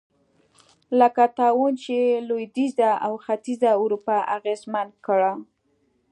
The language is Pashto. لکه طاعون چې لوېدیځه او ختیځه اروپا اغېزمن کړه.